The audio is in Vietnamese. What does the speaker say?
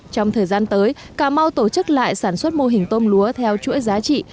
trong thời gian tới cà mau tổ chức lại sản xuất mô hình tôm lúa theo chuỗi giá trị